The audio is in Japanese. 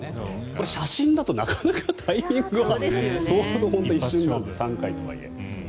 これ写真だとなかなかタイミングが相当、一瞬なので３回とはいえ。